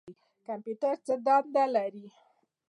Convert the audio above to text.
کمپیوټر څه دنده لري؟